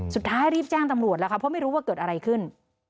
สุดท้ายรีบแจ้งตำรวจแล้วค่ะเพราะไม่รู้ว่าเกิดอะไรขึ้น